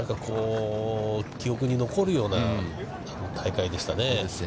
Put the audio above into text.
記憶に残るような大会でしたね。